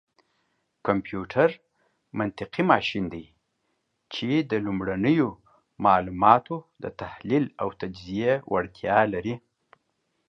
کمپيوټر منطقي ماشين دی، چې د لومړنيو معلوماتو دتحليل او تجزيې وړتيا لري.